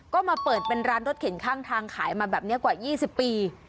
ก็มาเปิดเป็นร้านรถเข็นข้างทางขายมาแบบนี้กว่า๒๐ปี